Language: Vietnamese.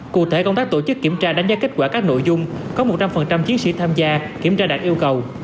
cụ thể công tác tổ chức kiểm tra đánh giá kết quả các nội dung có một trăm linh chiến sĩ tham gia kiểm tra đạt yêu cầu